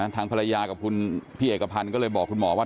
ทางภรรยากับคุณพี่เอกพันธ์ก็เลยบอกคุณหมอว่า